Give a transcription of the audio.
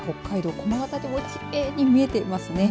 この辺りもきれいに見えていますね。